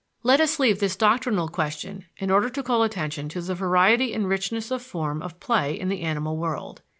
Let us leave this doctrinal question in order to call attention to the variety and richness of form of play in the animal world.